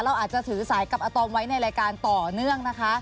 เราอาจจะถือสายกับอาตอมไว้ในรายการต่อเนื่องนะคะ